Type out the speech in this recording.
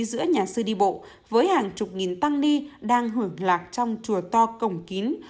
giữa nhà sư đi bộ với hàng chục nghìn tăng ni đang hưởng lạc trong chùa to cổng kín